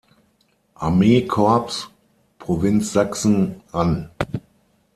Armeekorps, Provinz Sachsen, an.